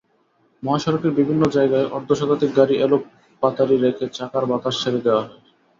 মহাসড়কের বিভিন্ন জায়গায় অর্ধশতাধিক গাড়ি এলোপাতাড়ি রেখে চাকার বাতাস ছেড়ে দেওয়া হয়।